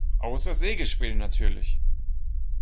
Außer Sägespäne natürlich.